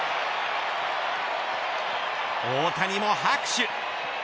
大谷も拍手。